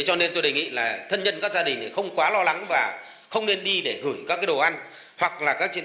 cho nên tôi đề nghị là thân nhân các gia đình không quá lo lắng và không nên đi để gửi các đồ ăn